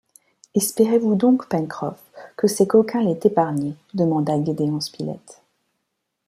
Espérez-vous donc, Pencroff, que ces coquins l’aient épargné demanda Gédéon Spilett